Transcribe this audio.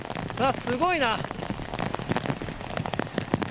すごいな。